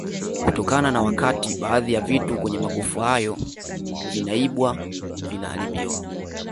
kutokana na wakati baadhi ya vitu kwenye magofu hayo vinaibwa vinaharibiwa